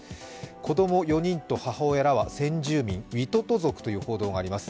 子供４人と母親らは、先住民リトト族という報道があります。